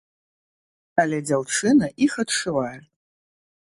Але дзяўчына іх адшывае.